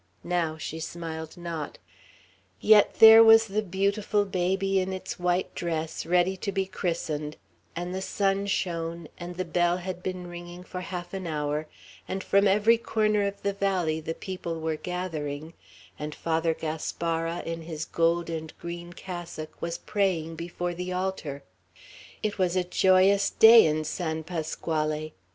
Now she smiled not. Yet there was the beautiful baby in its white dress, ready to be christened; and the sun shone, and the bell had been ringing for half an hour, and from every corner of the valley the people were gathering, and Father Gaspara, in his gold and green cassock, was praying before the altar; it was a joyous day in San Pasquale.